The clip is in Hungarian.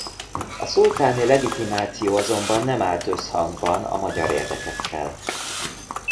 A szultáni legitimáció azonban nem állt összhangban a magyar érdekekkel.